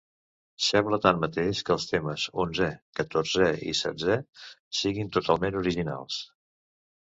Sembla tanmateix que els temes onzè, catorzè i setzè siguin totalment originals.